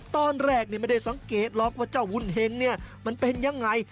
ตอนแรกไม่ได้สังเกตหรอกว่าเจ้าวุ่นเห็งเนี่ยมันเป็นยังไง